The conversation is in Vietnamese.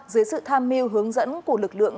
dưới sự tham mưu hướng dẫn của lực lượng